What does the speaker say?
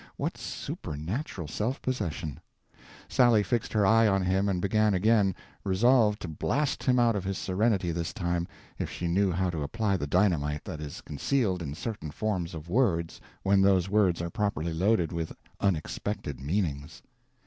What supernatural self possession! Sally fixed her eye on him and began again, resolved to blast him out of his serenity this time if she knew how to apply the dynamite that is concealed in certain forms of words when those words are properly loaded with unexpected meanings.